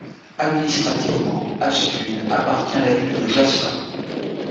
Administrativement, Astún appartient à la ville de Jaca.